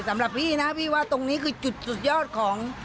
สำหรับพี่นะพี่ว่าตรงนี้คือจุดสุดยอดของ